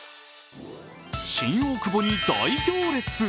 新大久保に大行列。